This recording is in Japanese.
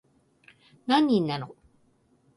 何人なの